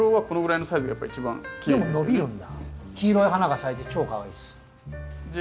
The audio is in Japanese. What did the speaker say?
黄色い花が咲いて超かわいいです。